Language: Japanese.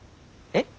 えっ。